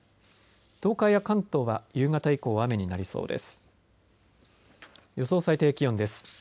東海や関東は夕方以降雨になりそうです。